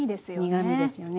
苦みですよね。